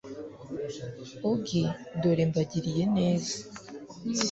Ogi Dore mbagiriye neza